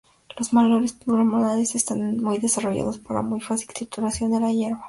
Los molares y premolares están muy desarrollados, para la fácil trituración de la hierba.